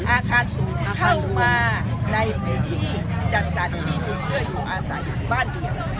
อาคารสูงเข้ามาในพื้นที่จัดสรรที่ดินเพื่ออยู่อาศัยอยู่บ้านเดียว